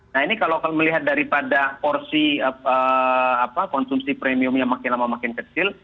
nah ini kalau melihat daripada porsi konsumsi premium yang makin lama makin kecil